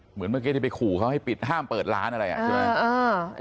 เหมือนเมื่อกี้ที่ไปขู่เขาให้ปิดห้ามเปิดร้านอะไรอ่ะใช่ไหม